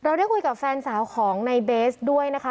ได้คุยกับแฟนสาวของในเบสด้วยนะคะ